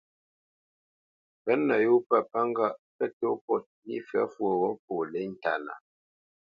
Pə̌t nə yó pə̂ pə́ ŋgâʼ pə tó pôt nî fyə̌ fwoghó pə lê ntánə́.